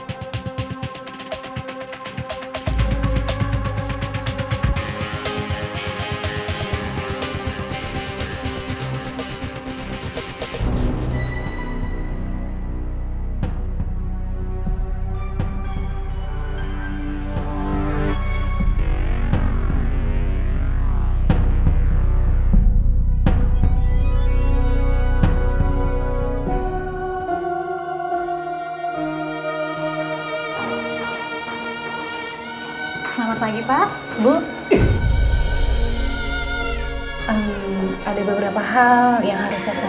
ada beberapa hal yang harus saya sampaikan pak